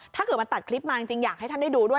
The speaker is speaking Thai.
ถ้าเกิดมันตัดคลิปมาจริงอยากให้ท่านได้ดูด้วย